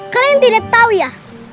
kalian tidak tahu ya